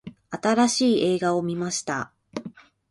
新しい映画を観ました。